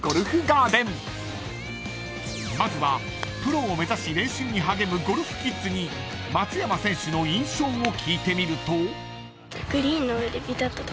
［まずはプロを目指し練習に励むゴルフキッズに松山選手の印象を聞いてみると］